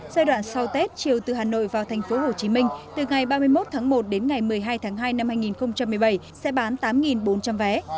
giai đoạn sau tết chiều từ hà nội vào thành phố hồ chí minh từ ngày ba mươi một tháng một đến ngày một mươi hai tháng hai năm hai nghìn một mươi bảy sẽ bán tám bốn trăm linh vé